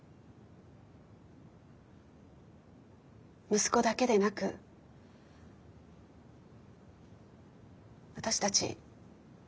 息子だけでなく私たち